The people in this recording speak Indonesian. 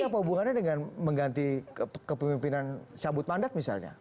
apa hubungannya dengan mengganti kepemimpinan cabut mandat misalnya